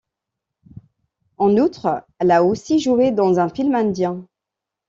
En outre elle a aussi joué dans un film indien.